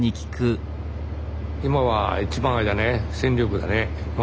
今は一番あれだね戦力だね。